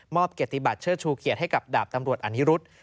มอบกระติบัติเชื่อชูเขียตให้กับดาบตำรวจอันนิรุธ